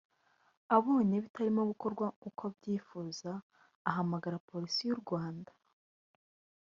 abonye bitarimo gukorwa uko abyifuza ahamagara polisi y’u Rwanda